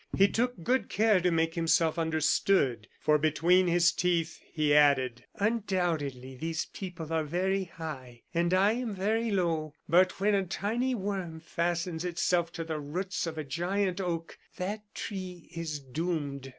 He took good care to make himself understood, for between his teeth he added: "Undoubtedly, these people are very high, and I am very low; but when a tiny worm fastens itself to the roots of a giant oak, that tree is doomed."